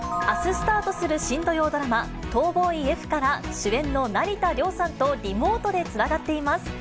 あすスタートする新土曜ドラマ、逃亡医Ｆから主演の成田凌さんとリモートでつながっています。